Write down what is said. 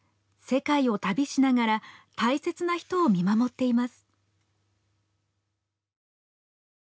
世界を旅しながら大切な人を見守っています。